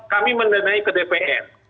kami menenai ke dpr